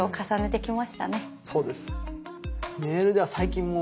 そうです。